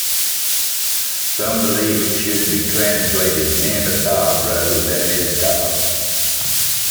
Some believe it should be translated "men of Tob", rather than "Ishtob".